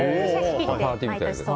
パーティーみたいにね。